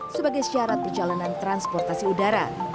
sebagai syarat perjalanan transportasi udara